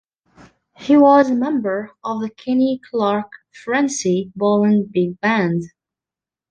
He was a member of The Kenny Clarke-Francy Boland Big Band.